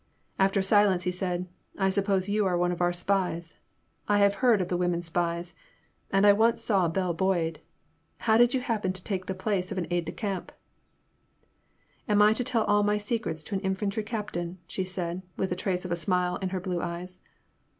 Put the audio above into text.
After a silence he said: '* I suppose you are one of our spies — I have heard of the women spies, and I once saw Belle Boyd. How did you hap pen to take the place of an aide de camp ?"" Am I to tell all my secrets to an infantry captain ?" she said, with a trace of a smile in her blue eyes.